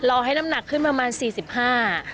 รอให้น้ำหนักขึ้นประมาณ๔๕กิโลกรัม